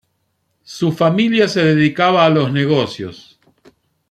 Su familia se dedicaba a los negocios.